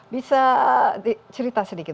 bisa cerita sedikit